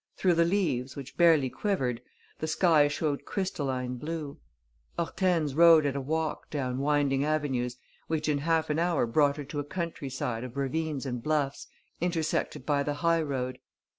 Through the leaves, which barely quivered, the sky showed crystalline blue. Hortense rode at a walk down winding avenues which in half an hour brought her to a country side of ravines and bluffs intersected by the high road.